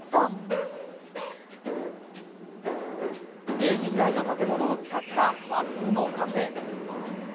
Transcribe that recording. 明治時代の建物を使った和風のカフェ。